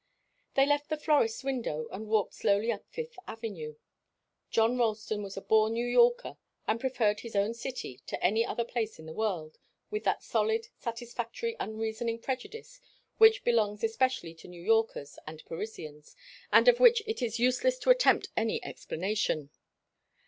They left the florist's window and walked slowly up Fifth Avenue. John Ralston was a born New Yorker and preferred his own city to any other place in the world with that solid, satisfactory, unreasoning prejudice which belongs especially to New Yorkers and Parisians, and of which it is useless to attempt any explanation.